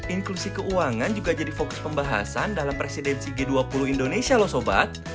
inklusi keuangan juga jadi fokus pembahasan dalam presidensi g dua puluh indonesia loh sobat